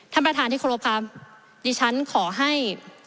ท่านประธานที่โครปกลุ่มความดิฉันขอให้